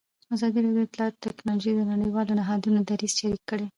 ازادي راډیو د اطلاعاتی تکنالوژي د نړیوالو نهادونو دریځ شریک کړی.